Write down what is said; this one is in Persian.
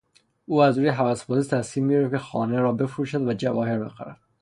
او از روی هوسبازی تصمیم گرفت که خانه را بفروشد و جواهر بخرد.